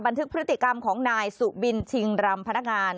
ทึกพฤติกรรมของนายสุบินชิงรำพนักงาน